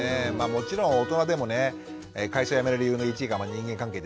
もちろん大人でもね会社辞める理由の１位が人間関係ですから。